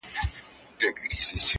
o ځواني مرګ دي سم چي نه به در جارېږم,